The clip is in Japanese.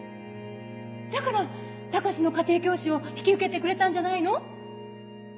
だから高志の家庭教師を引き受けてくれたんじゃないの？